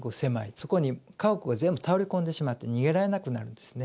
そこに家屋が全部倒れ込んでしまって逃げられなくなるんですね。